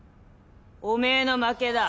おめえの負けだ！